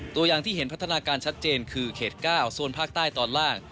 ตัวอย่างที่เห็นพัฒนาการชัดเจนคือเขต๙โซนภาคใต้ตอนล่าง